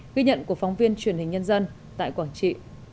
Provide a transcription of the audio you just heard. ghi nhận của phóng viên truyền hình nhân dân tại quảng trị